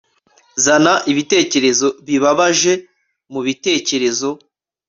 Zana ibitekerezo bibabaje mubitekerezo